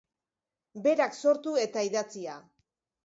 Berak sortu eta idatzia.